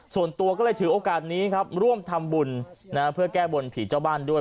ส่วนตัวก็เลยถือโอกาสนี้ครับร่วมทำบุญเพื่อแก้บนผีเจ้าบ้านด้วย